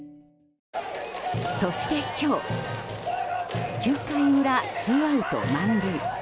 そして今日９回裏、ツーアウト満塁。